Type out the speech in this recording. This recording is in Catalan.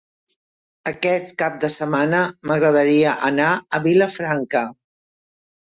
Aquest cap de setmana m'agradaria anar a Vilafranca.